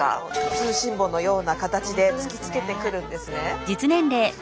通信簿のような形で突きつけてくるんですね。